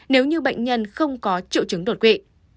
nếu như bệnh nhân không có triệu chứng đột quỵ